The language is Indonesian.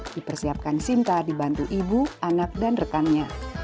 dipersiapkan sinta dibantu ibu anak dan rekannya